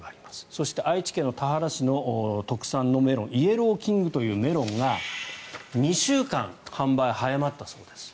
そして愛知県田原市の特産のメロンイエローキングというメロンが２週間販売が早まったそうです。